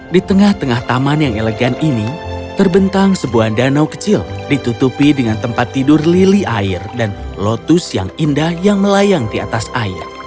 di tengah tengah taman yang elegan ini terbentang sebuah danau kecil ditutupi dengan tempat tidur lili air dan lotus yang indah yang melayang di atas air